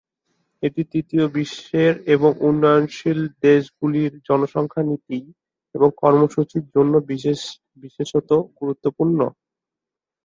এটি তৃতীয় বিশ্বের এবং উন্নয়নশীল দেশগুলির জনসংখ্যা নীতি এবং কর্মসূচির জন্য বিশেষত গুরুত্বপূর্ণ।